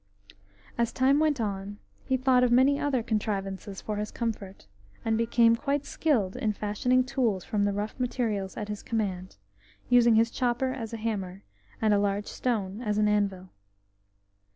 As time went on, he thought of many other contrivances for his comfort, and became quite skilled in fashioning tools from the rough materials at his command, using his chopper as a hammer, and a large stone as an anvil.